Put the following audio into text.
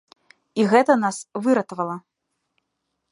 І нас гэта выратавала.